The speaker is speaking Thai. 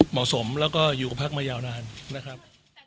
เหมาะสมแล้วก็อยู่กับพักมายาวนานนะครับ